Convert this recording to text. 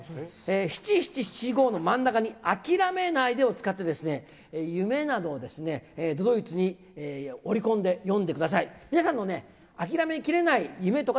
七七七五の真ん中に、あきらめないでを使って、夢などを都々逸に織り込んで詠んでください。